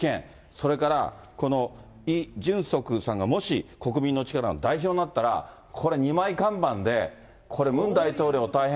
それから、このイ・ジュンソクさんがもし、国民の力の代表になったら、これ、二枚看板でこれ、ムン大統領大変。